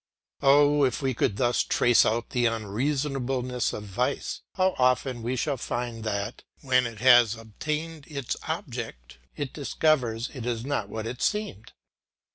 Oh, if we could thus trace out the unreasonableness of vice, how often should we find that, when it has attained its object, it discovers it is not what it seemed!